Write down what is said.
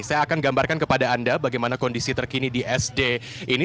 saya akan gambarkan kepada anda bagaimana kondisi terkini di sd ini